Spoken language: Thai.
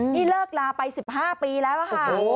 นี่เลิกลาไป๑๕ปีแล้วอะค่ะ